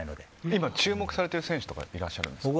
今、注目されている選手っていらっしゃるんですか？